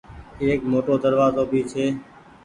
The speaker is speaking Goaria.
ايڪ موٽو دروآزو ڀي ڇي ۔